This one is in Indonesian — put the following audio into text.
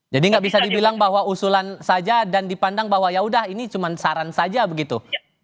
jadi nggak bisa dibilang bahwa usulan saja dan dipandang bahwa yaudah ini cuma saran saja begitu